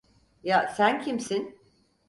Ya sen kimsin?